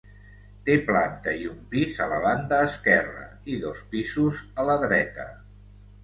Té planta i un pis a la banda esquerra i dos pisos a la dreta.